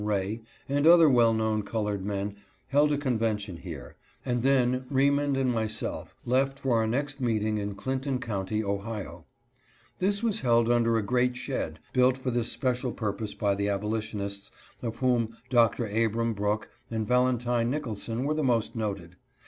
Ray, and other well known colored men held a convention here, and then Remond and myself left for our next meeting in Clinton county, Fighting the Mob in Indiana. IN INDIANA. 287 Ohio. This was held under a great shed, built for this special purpose by the abolitionists, of whom Dr. Abram Brook and Valentine Nicholson were the most noted.